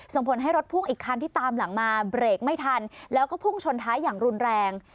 ส่งผลให้รถพ่วงอีกคันที่ตามหลังมาเบรกไม่ทันแล้วก็พุ่งชนท้ายอย่างรุนแรง